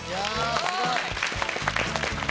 すごい！